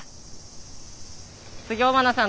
次尾花さん